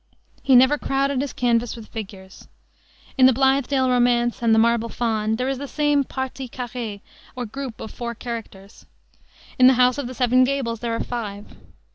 He never crowded his canvas with figures. In the Blithedale Romance and the Marble Faun there is the same parti carré or group of four characters. In the House of the Seven Gables there are five.